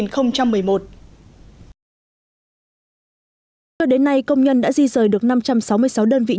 kể từ đến nay công nhân đã di rời được năm trăm sáu mươi sáu đơn vị nhiễm